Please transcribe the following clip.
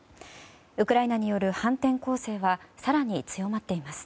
ウクライナによる反転攻勢は更に強まっています。